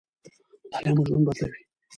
مطالعه مو ژوند بدلوي.